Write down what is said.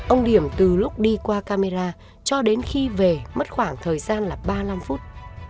ông điểm từ lúc đi qua camera cho đến khi về mất khoảng thời gian là ba mươi năm phút